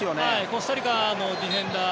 コスタリカのディフェンダー